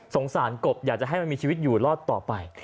สารกบอยากจะให้มันมีชีวิตอยู่รอดต่อไป